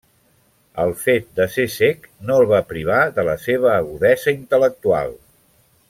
El fet de ser cec no el va privar de la seva agudesa intel·lectual.